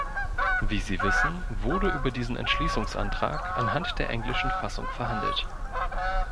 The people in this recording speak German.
Wie Sie wissen, wurde über diesen Entschließungsantrag anhand der englischen Fassung verhandelt.